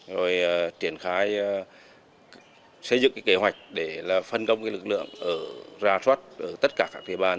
rồi triển khai xây dựng kế hoạch để phân công lực lượng ra soát ở tất cả các địa bàn